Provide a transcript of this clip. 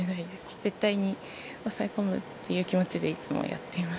絶対に押さえ込むという気持ちでいつもやっています。